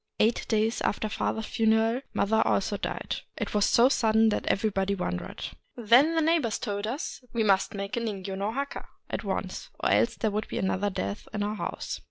Eight days after father's funeral mother also died. It was so sudden that everybody wondered. Then the neighbors told us that we must make a ningyo no Jiaka at once, — or else there would be another death in our house.